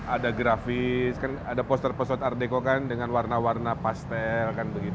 ada grafis kan ada poster poster art deko kan dengan warna warna pastel